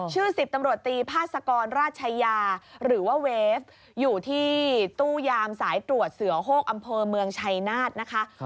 ชื่อ๑๐ตำรวจตีพาสกรราชยาหรือว่าเวฟอยู่ที่ตู้ยามสายตรวจเสือโฮกอำเภอเมืองชัยนาธนะคะ